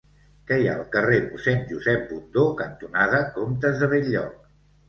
Què hi ha al carrer Mossèn Josep Bundó cantonada Comtes de Bell-lloc?